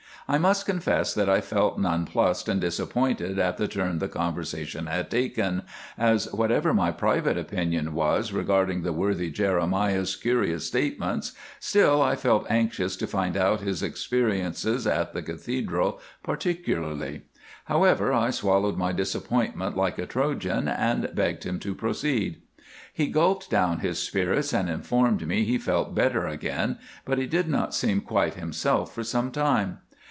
I must confess that I felt nonplussed and disappointed at the turn the conversation had taken, as whatever my private opinion was regarding the worthy Jeremiah's curious statements, still I felt anxious to find out his experiences at the Cathedral particularly. However, I swallowed my disappointment like a Trojan, and begged him to proceed. He gulped down his spirits and informed me he felt better again, but he did not seem quite himself for some time.